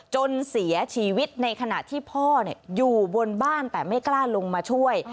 จนเสียชีวิตในขณะที่พ่ออยู่บนบ้านแต่ไม่กล้าลงมาช่วย